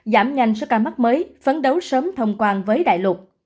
giảm nhanh số ca mắc mới phấn đấu sớm thông quan với đại lục